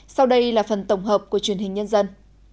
sau đây là phần tổng hợp của truyền hình nhân dân